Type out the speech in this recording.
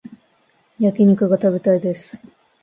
焼き肉が食べたいです